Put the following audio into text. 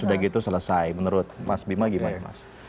sudah gitu selesai menurut mas bima gimana mas